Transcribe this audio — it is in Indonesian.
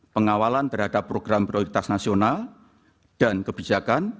pengawalan terhadap program prioritas nasional dan kebijakan